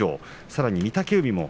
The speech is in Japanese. さらに御嶽海も。